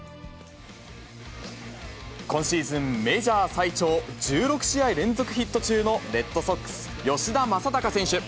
今シーズン、メジャー最長１６試合連続ヒット中のレッドソックス、吉田正尚選手。